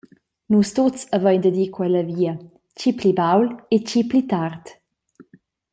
Nus tuts havein dad ir quella via, tgi pli baul e tgi pli tard.